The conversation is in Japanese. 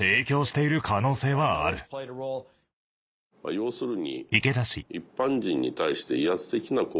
要するに。